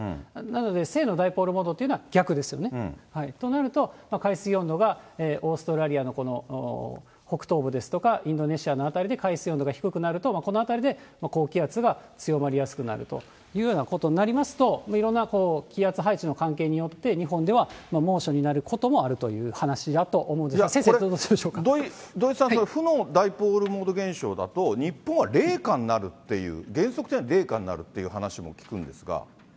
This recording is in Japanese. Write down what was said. なので、正のダイポールモードっていうのは逆ですよね。となると、海水温度がオーストラリアのこの北東部ですとか、インドネシアの辺りで海水温度が低くなると、この辺りで高気圧が強まりやすくなるというようなことになりますと、いろんな気圧配置の関係によって、日本では猛暑になることもあるという話だと思うんですが、先生ど土井さん、負のダイポールモード現象だと、日本は冷夏になるっていう、原則では冷夏になるっていう話も聞くんですが。